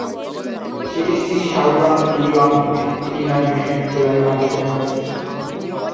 সিরিজটি Southern Illinois বিশ্ববিদ্যালয়ের মালিকানায় রয়েছে।